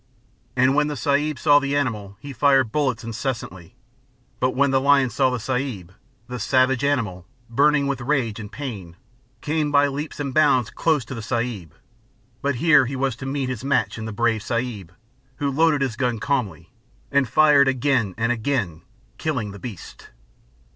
And when the Sahib saw the animal he fired bullets incessantly; But when the lion saw the Sahib, the savage animal, burning with rage, and pain, Came by leaps and bounds close to the Sahib; But here he was to meet his match in a brave Sahib who loaded his gun calmly, and fired again and again, killing the beast.